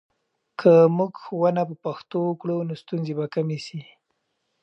که موږ ښوونه په پښتو وکړو، نو ستونزې به کمې سي.